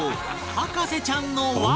博士ちゃんの輪